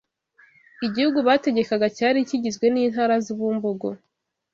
Igihugu bategekaga cyari kigizwe n’intara z’u Bumbogo